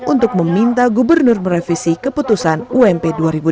untuk meminta gubernur merevisi keputusan ump dua ribu delapan belas